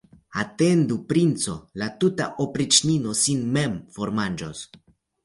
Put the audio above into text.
Atendu, princo, la tuta opriĉnino sin mem formanĝos.